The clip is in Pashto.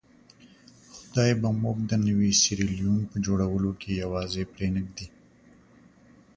خدای به موږ د نوي سیریلیون په جوړولو کې یوازې پرې نه ږدي.